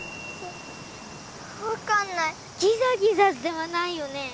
分かんないギザギザズではないよね